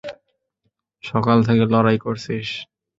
সকাল থেকে লড়াই করছিস।